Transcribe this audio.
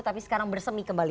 tapi sekarang bersemi kembali